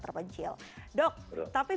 terpencil dok tapi